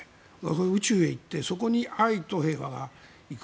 宇宙へ行ってそこに愛と平和が行く。